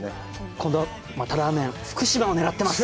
今度は、またラーメン福島をねらってます。